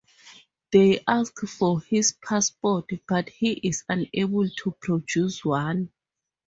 They ask for his passport, but he is unable to produce one.